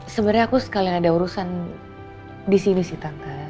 sebenarnya aku sekalian ada urusan di sini sih tangga